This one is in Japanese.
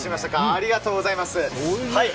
ありがとうございます。